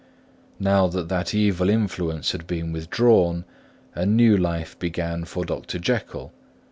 Now that that evil influence had been withdrawn, a new life began for Dr. Jekyll.